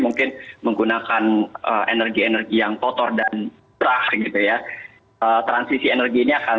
gia harmada pembangku